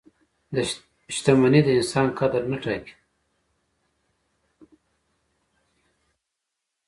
• شتمني د انسان قدر نه ټاکي.